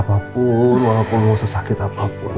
apapun walaupun mau sesakit apapun